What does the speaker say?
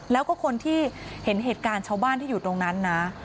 แล้วก็คนที่เห็นเหตุการณ์ชาวบ้านที่อยู่ตรงนั้นนะ